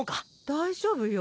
大丈夫よ。